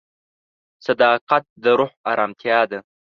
صداقت د روح ارامتیا ده.